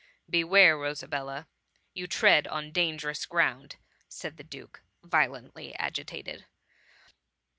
^^ Beware, Rosabella, you tread on dangerous ground !" said the duke, violently a^tated.